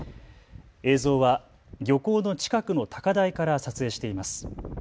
映像は漁港の近くの高台から撮影しています。